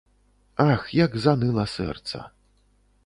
Ах, як заныла сэрца.